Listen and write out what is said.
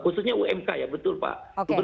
khususnya umk ya betul pak